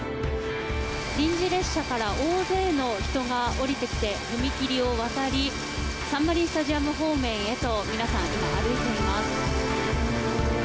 臨時列車から大勢の人が降りてきて踏切を渡りサンマリンスタジアム方面へと皆さん、今歩いています。